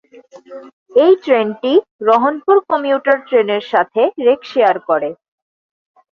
এই ট্রেনটি রহনপুর কমিউটার ট্রেনের সাথে রেক শেয়ার করে।